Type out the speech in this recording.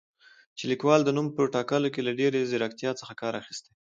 چې لیکوال د نوم په ټاکلو کې له ډېرې زیرکتیا څخه کار اخیستی